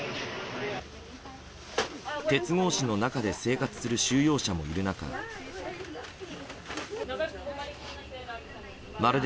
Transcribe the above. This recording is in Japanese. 鉄格子の中で生活する収容者もいる中で。